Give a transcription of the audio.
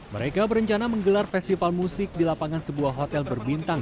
mereka berencana menggelar festival musik di lapangan sebuah hotel berbintang